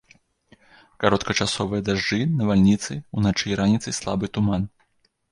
Кароткачасовыя дажджы, навальніцы, уначы і раніцай слабы туман.